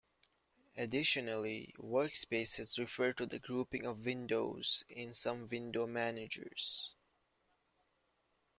Additionally, workspaces refer to the grouping of windows in some window managers.